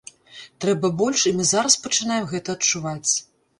Трэба больш, і мы зараз пачынаем гэта адчуваць.